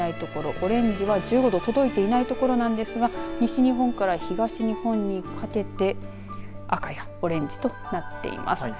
オレンジは１５度に届いていない所ですが西日本から東日本にかけて赤やオレンジとなっています。